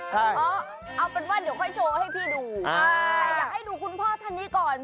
เอาเป็นว่าเดี๋ยวค่อยโชว์ให้พี่ดูแต่อยากให้ดูคุณพ่อท่านนี้ก่อน